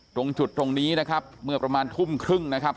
ตรงจุดตรงนี้นะครับเมื่อประมาณทุ่มครึ่งนะครับ